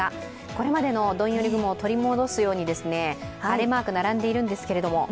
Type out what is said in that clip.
これまでのどんより雲を取り戻すように晴れマークが並んでいるんですけれども？